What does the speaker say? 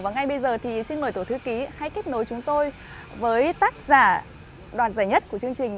và ngay bây giờ thì xin mời tổ thư ký hãy kết nối chúng tôi với tác giả đoàn giải nhất của chương trình